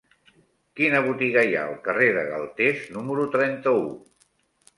Quina botiga hi ha al carrer de Galtés número trenta-u?